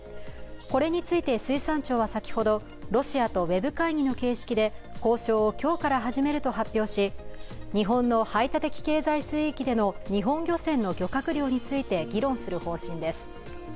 これについて水産庁は先ほどロシアとウェブ会議の形式で交渉を今日から始めると発表し、日本の排他的経済水域での日本漁船の漁獲量について議論する方針です。